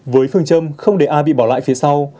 với phương châm không để ai bị bỏ lại phía sau